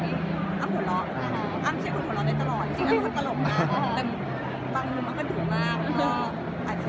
เขาทำให้โลกอัมภูเขยอยู่ทีตลอดอีก